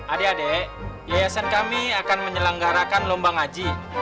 adek adek yayasan kami akan menyelenggarakan lombang haji